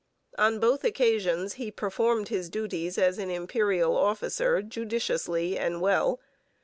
On both occasions he performed his duties as an Imperial officer judiciously and well.